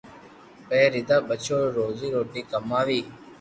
پيئا ليئين ٻچو ري روزو روٽي ڪماوي